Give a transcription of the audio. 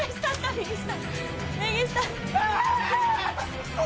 右下。